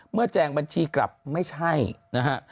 แจงบัญชีกลับไม่ใช่นะฮะ